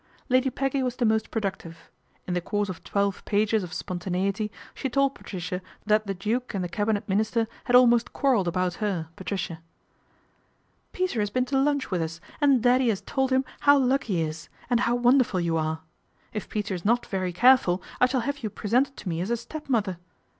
Lady Peggy was the most productive. In the course of twelve pages of spontaneity she told Patricia that the Duke and the Cabinet Minister had almost quarrelled about her, Patricia. " Peter has been to lunch with us and Daddy has told him how lucky he is, and how wonderful you are. If Peter is not very careful, I shall have you pre sented to me as a stepmother.